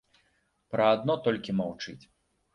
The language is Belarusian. Пра адно толькі маўчыць.